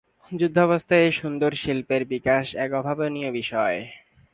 যুদ্ধাবস্খায় এই সুন্দর শিল্পের বিকাশ এক অভাবনীয় বিষয়।